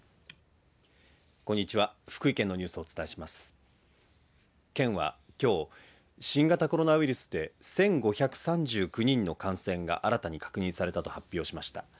県は、きょう新型コロナウイルスで１５３９人の感染が新たに確認されたと発表しました。